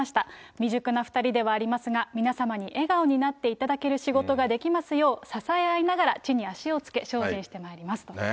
未熟な２人ではありますが、皆様に笑顔になっていただける仕事ができますよう、支え合いながら、地に足をつけ精進してまいりますと。